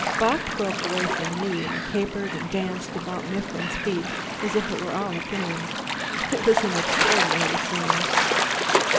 Bock broke away from me and capered and danced about Mifflin's feet as if it were all a game. It was an extraordinary scene.